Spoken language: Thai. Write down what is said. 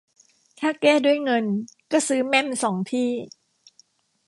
ถ้าแก้ด้วยเงินก็ซื้อแม่มสองที่